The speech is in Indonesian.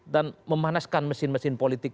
dan memanaskan mesin mesin politik